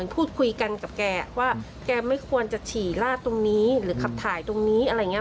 พูดคุยกันกับแกว่าแกไม่ควรจะฉี่ลาดตรงนี้หรือขับถ่ายตรงนี้อะไรอย่างนี้